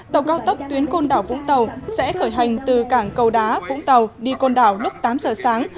tàu cao tốc tuyến côn đảo vũng tàu sẽ khởi hành từ cảng cầu đá vũng tàu đi côn đảo lúc tám giờ sáng